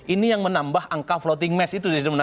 ini yang menambah angka floating mass itu sebenarnya